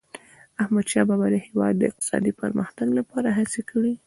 احمدشاه بابا د هیواد د اقتصادي پرمختګ لپاره هڅي کړي.